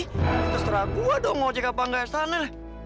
terserah gua dong ngojek apa gak sana